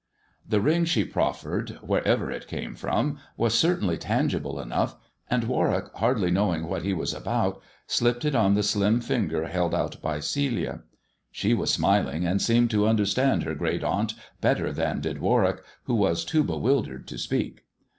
The ring she proffered, wherever it came from, was cer tainly tangible enough, and Warwick, hardly knowing what he was about, slipped it on the slim finger held out by Celia. She was smiling, and seemed to understand her great aunt better than did Warwick, who was too bewildered to speak.